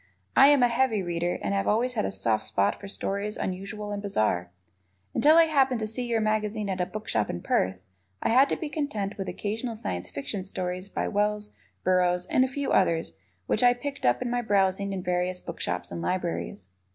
I am a heavy Reader and have always had a soft spot for stories unusual and bizarre. Until I happened to see your magazine at a bookshop in Perth, I had to be content with occasional Science Fiction stories by Wells, Burroughs, and a few others which I picked up in my browsing in various bookshops and libraries.